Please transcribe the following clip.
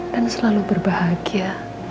dan selalu berbahagia